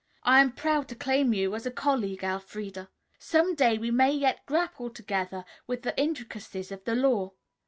"I am proud to claim you as a colleague, Elfreda. Some day we may yet grapple together with the intricacies of the law.